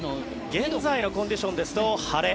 現在のコンディションですと晴れ。